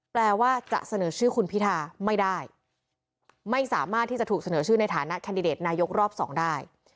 แปลว่าจะเสนอชื่อคุณพิธาไม่ได้ไม่สามารถที่จะถูกเสนอชื่อในฐานะแคนดิเดตนายกรอบสองได้